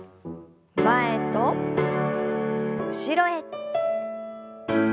前と後ろへ。